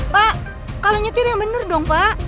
pak kalian nyetir yang bener dong pak